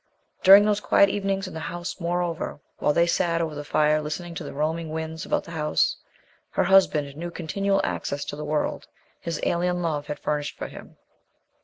During those quiet evenings in the house, moreover, while they sat over the fire listening to the roaming winds about the house, her husband knew continual access to the world his alien love had furnished for him.